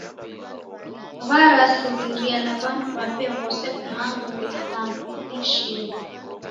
Warasuw'iria na w'andu w'ape w'ose kumangu w'ihamishiro.